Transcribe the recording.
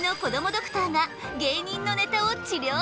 ドクターが芸人のネタを治りょうする！